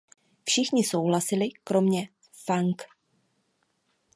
Všichni souhlasili kromě Fang.